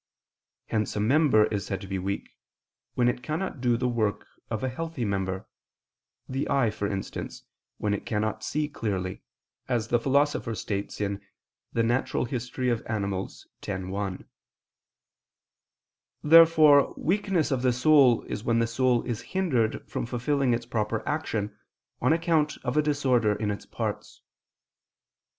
Hence a member is said to be weak, when it cannot do the work of a healthy member, the eye, for instance, when it cannot see clearly, as the Philosopher states (De Hist. Animal. x, 1). Therefore weakness of the soul is when the soul is hindered from fulfilling its proper action on account of a disorder in its parts.